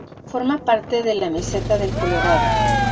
Forma parte de la Meseta del Colorado.